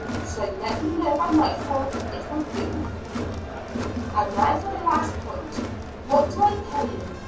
"So you let me know by nightfall, it will do." "And now for the last point what do I pay you?